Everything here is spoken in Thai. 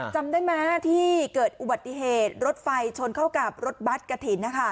จำได้ไหมที่เกิดอุบัติเหตุรถไฟชนเข้ากับรถบัตรกระถิ่นนะคะ